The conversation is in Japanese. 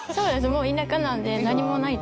もう田舎なんで何もない所。